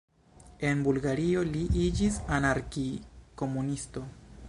En Bulgario li iĝis anarki-komunisto.